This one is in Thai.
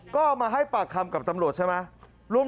ก็มาให้ปากคำกับตำรวจใช่ไหม